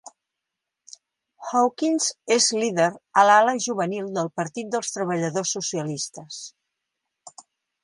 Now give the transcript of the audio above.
Hawkins és líder a l'ala juvenil del Partit dels Treballadors Socialistes.